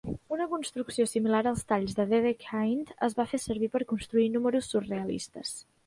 Una construcció similar als talls de Dedekind es fa servir per a construir números surrealistes.